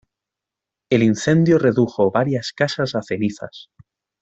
El incendio redujo varias casas a cenizas.